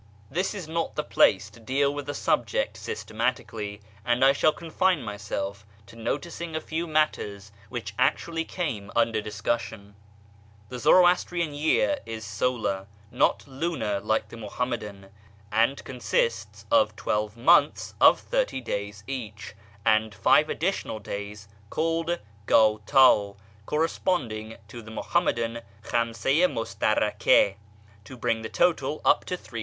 This is not the place to deal with the subject systematically, and I shall confine myself to noticing a few matters which actually came under discussion. The Zoroastrian year is solar, not lunar like the Muham madan, and consists of twelve months of thirty days each, and five additional days called gMd (corresponding to the Muham madan " khamsa i mustaraka ") to bring the total up to 36 5.